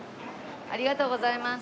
ありがとうございます。